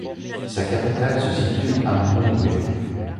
Sa capitale se situe à Mpongwe.